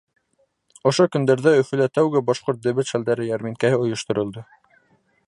Ошо көндәрҙә Өфөлә тәүгә башҡорт дебет шәлдәре йәрминкәһе ойошторолдо.